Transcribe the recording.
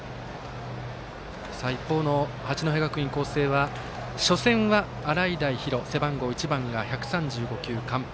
一方の八戸学院光星は初戦は洗平比呂、背番号１番が１３５球、完封。